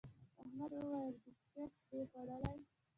احمد وويل: بيسکیټ دي خوړلي؟